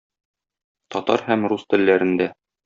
Татар һәм рус телләрендә.